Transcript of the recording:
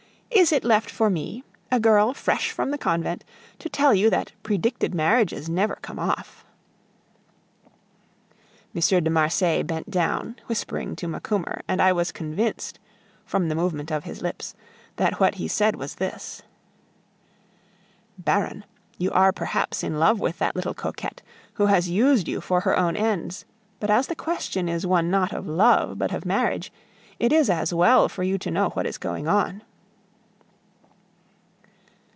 "Is it left for me, a girl fresh from the convent, to tell you that predicted marriages never come off." M. de Marsay bent down, whispering to Macumer, and I was convinced, from the movement of his lips, that what he said was this: "Baron, you are perhaps in love with that little coquette, who has used you for her own ends; but as the question is one not of love, but of marriage, it is as well for you to know what is going on."